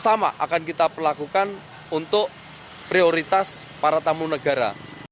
sama akan kita lakukan untuk prioritas para tamu negara